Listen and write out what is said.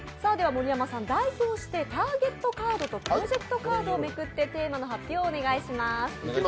盛山さん代表してターゲットカードとプロジェクトカードをめくってテーマの発表をお願いします。